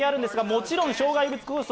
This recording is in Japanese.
もちろん障害物競走